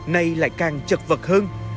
nay lại càng chật vật hơn